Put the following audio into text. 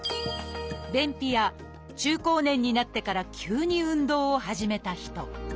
便秘や中高年になってから急に運動を始めた人。